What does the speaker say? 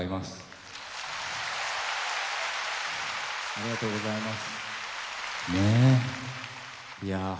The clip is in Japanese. ありがとうございます。